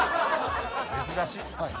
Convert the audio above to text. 珍しい。